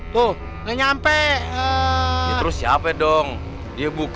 terus ada rambut